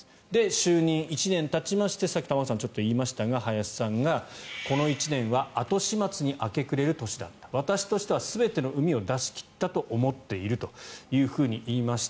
就任１年たちましてさっき、玉川さんがちょっと言いましたが林さんが、この１年は後始末に明け暮れる年だった私としては全てのうみを出し切ったと思っていると言いました。